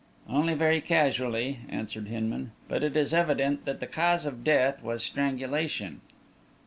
"Only very casually," answered Hinman. "But it is evident that the cause of death was strangulation."